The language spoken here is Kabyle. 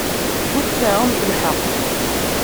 Ur tseɛɛumt lḥeqq.